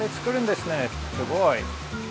すごい。